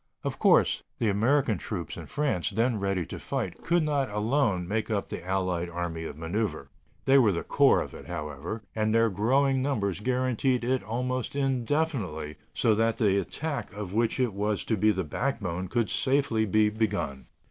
Of course, the American troops in France then ready to fight could not alone make up the Allied army of manœuvre. They were the core of it, however, and their growing numbers guaranteed it almost indefinitely, so that the attack of which it was to be the backbone could safely be begun.